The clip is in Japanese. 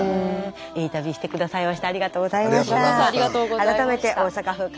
いい旅して下さいましてありがとうございました。